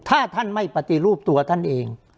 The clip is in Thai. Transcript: ถ้าท่านไม่ปฏิรูปตัวท่านเอง